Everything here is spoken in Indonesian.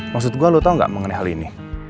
maksud gue lo tau gak mengenai hal ini